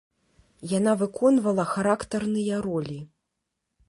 Яна выконвала характарныя ролі.